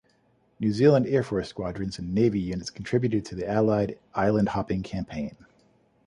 New Zealand Air Force squadrons and Navy units contributed to the Allied island-hopping campaign.